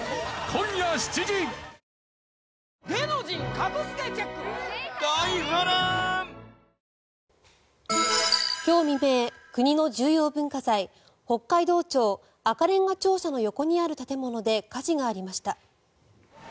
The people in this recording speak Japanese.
今日未明、国の重要文化財北海道庁、赤れんが庁舎の横にある建物で火事がありました。